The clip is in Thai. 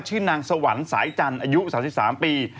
ชื่อนางสวรรค์สายจันทร์อายุ๓๓ปี